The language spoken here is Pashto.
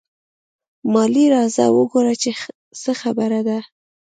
مالې راځه وګوره څه خبره ده.